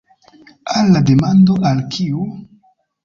Al la demando „al kiu?